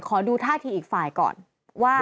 ขอดูท่าทีอีกฝ่ายก่อนว่า